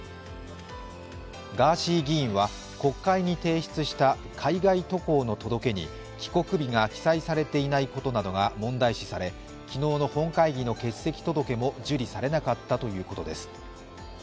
ガーシー議員は国会に提出した海外渡航の届に帰国日が記載されていないことなどが問題視され昨日の本会議の欠席届も受理されなかったということです。